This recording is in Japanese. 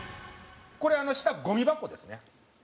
これ下ゴミ箱ですね。